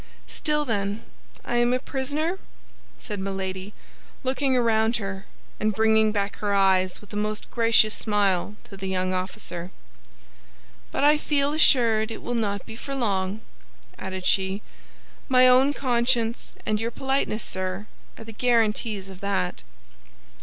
"Still, then, I am a prisoner," said Milady, looking around her, and bringing back her eyes with a most gracious smile to the young officer; "but I feel assured it will not be for long," added she. "My own conscience and your politeness, sir, are the guarantees of that."